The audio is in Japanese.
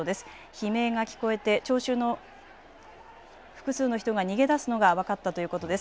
悲鳴が聞こえて聴衆の複数の人が逃げ出すのが分かったということです。